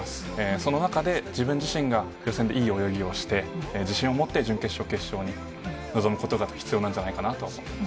その中で自分自身が予選でいい泳ぎをして、自信を持って準決勝、決勝に臨むことが必要なんじゃないかなと思っています。